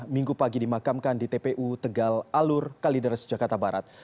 minggu pagi dimakamkan di tpu tegal alur kalideres jakarta barat